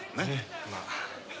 まあ。